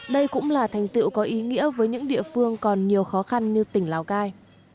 đây cũng là thành tựu có ý nghĩa với những địa phương còn nhiều khó khăn như tỉnh lào cai